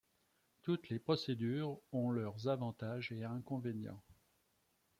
Toutes les procédures ont leurs avantages et inconvénients.